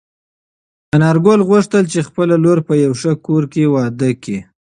انارګل غوښتل چې خپله لور په یوه ښه کور کې واده کړي.